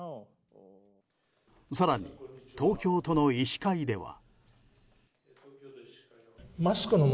更に、東京都の医師会では。